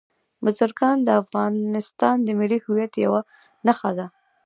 بزګان د افغانستان د ملي هویت یوه نښه ده.